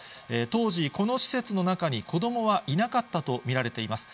当時、この施設の中に子どもはいなかったと見られています。